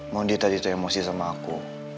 mondi tadi itu emosi sama aku